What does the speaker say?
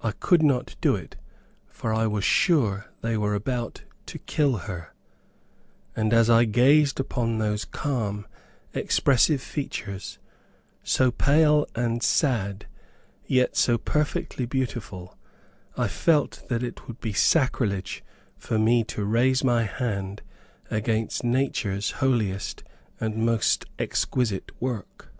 I could not do it, for I was sure they were about to kill her; and as I gazed upon those calm, expressive features, so pale and sad, yet so perfectly beautiful, I felt that it would be sacrilege for me to raise my hand against nature's holiest and most exquisite work.